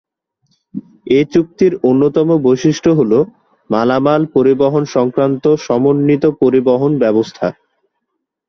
এ চুক্তির অন্যতম বৈশিষ্ট্য হলো মালামাল পরিবহণ সংক্রান্ত সমন্বিত পরিবহণ ব্যবস্থা।